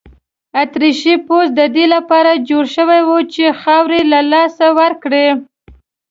اتریشي پوځ د دې لپاره جوړ شوی وو چې خاوره له لاسه ورکړي.